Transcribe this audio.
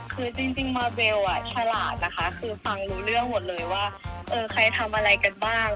คือจริงมาเบลฉลาดนะคะคือฟังรู้เรื่องหมดเลยว่าใครทำอะไรกันบ้าง